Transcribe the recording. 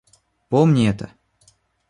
Помни это.